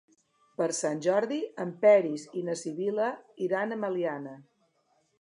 Per Sant Jordi en Peris i na Sibil·la iran a Meliana.